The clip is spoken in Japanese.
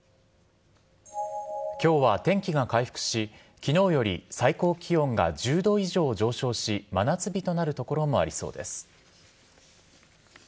きょうは天気が回復し、きのうより最高気温が１０度以上上昇し、真夏日となる所もありそうです。